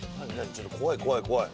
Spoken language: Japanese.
ちょっと怖い怖い怖い。